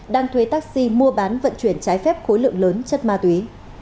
đang thuê taxi mua bán vận chuyển trái phép khối lượng lớn chất ma túy